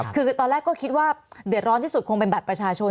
คือตอนแรกก็คิดว่าเดือดร้อนที่สุดคงเป็นบัตรประชาชน